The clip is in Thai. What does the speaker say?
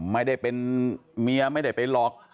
ไม่ได้เป็นเมียไม่ได้ไปหลอก